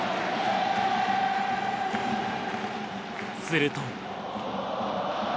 すると。